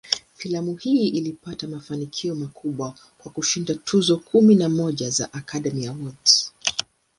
Filamu hii ilipata mafanikio makubwa, kwa kushinda tuzo kumi na moja za "Academy Awards".